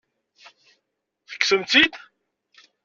Tekksem-tt-id?